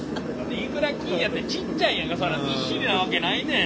いくら金やてちっちゃいやんかそらずっしりなわけないねん！